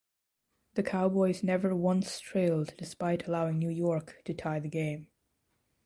The Cowboys never once trailed despite allowing New York to tie the game.